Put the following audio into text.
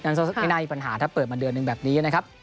ก็ไม่น่ามีปัญหาถ้าเปิดมาเดือนหนึ่งแบบนี้นะครับ